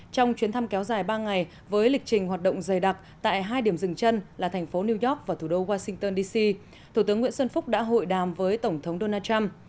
trong chuyến thăm kéo dài ba ngày với lịch trình hoạt động dày đặc tại hai điểm dừng chân là thành phố new york và thủ đô washington d c thủ tướng nguyễn xuân phúc đã hội đàm với tổng thống donald trump